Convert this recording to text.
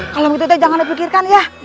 kalau begitu tuh jangan dipikirkan ya